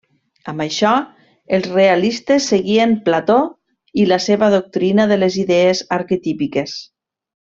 Amb això, els realistes seguien Plató i la seva doctrina de les idees arquetípiques.